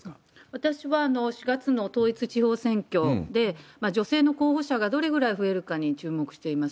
私は４月の統一地方選挙で、女性の候補者がどれぐらい増えるかに注目しています。